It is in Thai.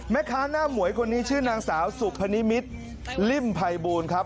แม่ค้าหน้าหมวยคนนี้ชื่อนางสาวสุพนิมิตรลิ่มภัยบูลครับ